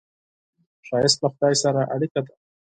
ښایست له خدای سره اړیکه ده